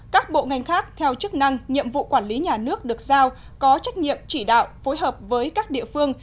một mươi một các bộ ngành khác theo chức năng nhiệm vụ quản lý nhà nước được giao có trách nhiệm chỉ đạo phối hợp với các địa phương